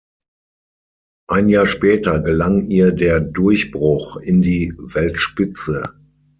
Ein Jahr später gelang ihr der Durchbruch in die Weltspitze.